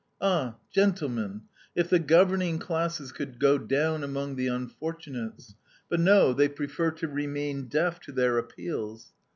"Ah, gentlemen, if the governing classes could go down among the unfortunates! But no, they prefer to remain deaf to their appeals.